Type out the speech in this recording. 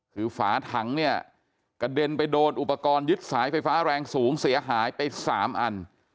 คือฝาถังเนี่ยกระเด็นไปโดนอุปกรณ์ยึดสายไฟฟ้าแรงสูงเสียหายไป๓อัน